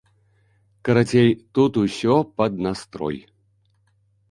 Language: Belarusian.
Карацей, тут усё пад настрой.